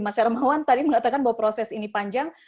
mas hermawan tadi mengatakan bahwa proses ini panjang